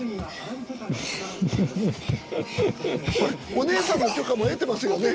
お姉さんの許可も得てますよね？